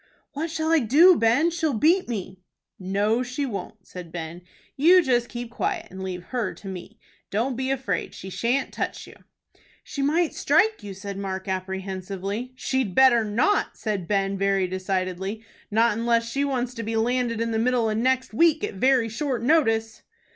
"What shall I do, Ben? She'll beat me." "No, she won't," said Ben. "You just keep quiet, and leave her to me. Don't be afraid. She shan't touch you." "She might strike you," said Mark, apprehensively. "She'd better not!" said Ben, very decidedly; "not unless she wants to be landed in the middle of next week at very short notice."